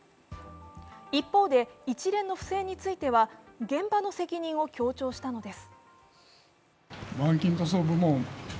一方で一連の不正については現場の責任を強調したのです。